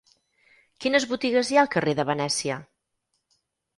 Quines botigues hi ha al carrer de Venècia?